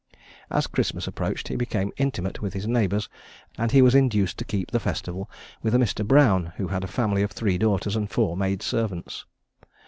As Christmas approached, he became intimate with his neighbours, and he was induced to keep the festival with a Mr. Brown, who had a family of three daughters and four maid servants.